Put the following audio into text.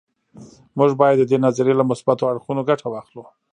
موږ باید د دې نظریې له مثبتو اړخونو ګټه واخلو